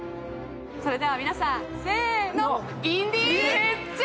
それでは皆さんせーの。